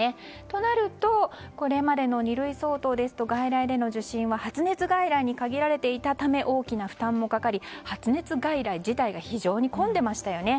となるとこれまでの二類相当ですと外来での受診は発熱外来に限られていたため大きな負担もかかり発熱外来自体が非常に混んでいましたよね。